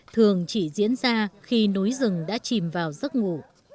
thường chỉ diễn ra khi núi rừng đã chìm vào giấc ngủ